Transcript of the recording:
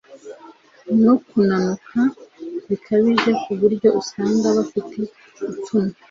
no kunanuka bikabije kuburyo usanga bafite ipfunwe